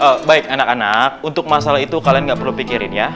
oh baik anak anak untuk masalah itu kalian gak perlu pikirin ya